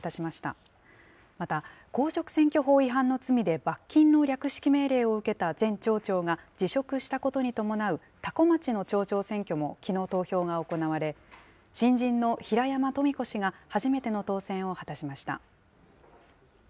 また、公職選挙法違反の罪で罰金の略式命令を受けた前町長が辞職したことに伴う多古町の町長選挙もきのう投票が行われ、新人の平山富子氏が初めての当選を果たしました。